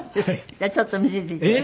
じゃあちょっと見せて頂きます。